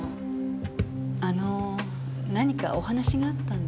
あの何かお話があったんでは？